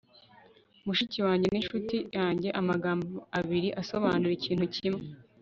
mushiki wanjye n'inshuti. amagambo abiri asobanura ikintu kimwe